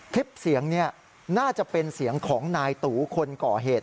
คลิปเสียงนี้น่าจะเป็นเสียงของนายตูคนก่อเหตุ